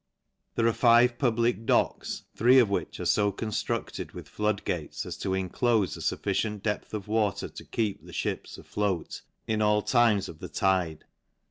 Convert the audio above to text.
There are five public docks, three of which fo conftruded with flood gates, as to inxlofe a i ficient depth of water to keep the 'Chips afloat, in times of the tide.